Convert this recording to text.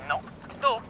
どう？